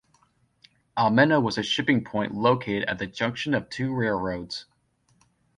Almena was a shipping point located at the junction of two railroads.